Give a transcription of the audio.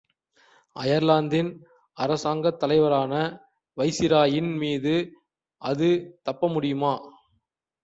அயர்லாந்தின் அரசாங்கத் தலைவரான வைசிராயின் மீது அது தப்பமுடியுமா?